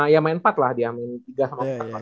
ya main empat lah dia main tiga sama empat